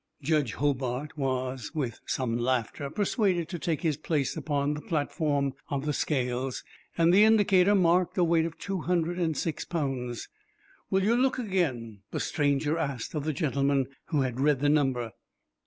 Judge Hobart was with some laughter persuaded to take his place upon the platform of the scales, and the indicator marked a weight of two hundred and six pounds. "Will you look again?" the stranger asked of the gentleman who had read the number.